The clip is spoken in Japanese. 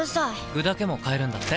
具だけも買えるんだって。